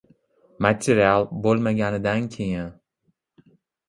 Material bo‘lma- ganidan keyin.